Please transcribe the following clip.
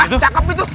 ah cakep itu